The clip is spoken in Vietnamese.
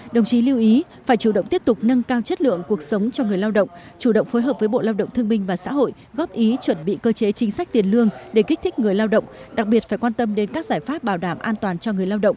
đồng chí lưu ý phải chủ động tiếp tục nâng cao chất lượng cuộc sống cho người lao động chủ động phối hợp với bộ lao động thương minh và xã hội góp ý chuẩn bị cơ chế chính sách tiền lương để kích thích người lao động đặc biệt phải quan tâm đến các giải pháp bảo đảm an toàn cho người lao động